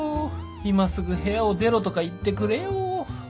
「今すぐ部屋を出ろ」とか言ってくれよ